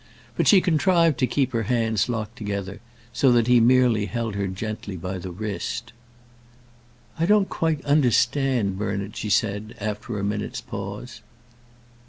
But she contrived to keep her hands locked together, so that he merely held her gently by the wrist. "I don't quite understand, Bernard," she said, after a minute's pause.